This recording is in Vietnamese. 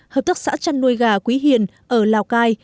hợp tác xã chăn nuôi gà quý hiền ở lào cai